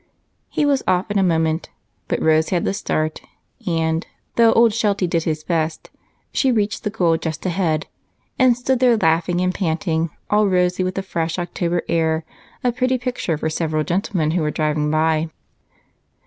He was off in a moment, but Rose had the start, and though old Sheltie did his best, she reached the goal just ahead, and stood there laughing and panting, all rosy with fresh October air, a pretty picture for several gentlemen who were driving by.